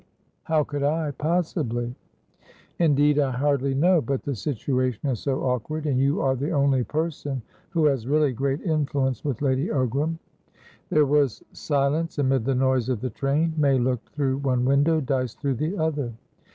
How could I, possibly?" "Indeed, I hardly know. But the situation is so awkward, and you are the only person who has really great influence with Lady Ogram" There was silence amid the noise of the train. May looked through one window, Dyce through the other.